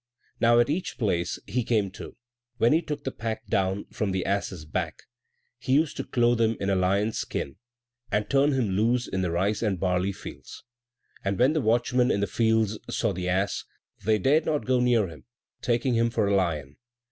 Now at each place he came to, when he took the pack down from the ass's back, he used to clothe him in a lion's skin, and turn him loose in the rice and barley fields. And when the watchmen in the fields saw the ass, they dared not go near him, taking him for a lion.